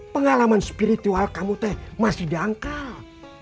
pengalaman spiritual kamu teh masih dangkal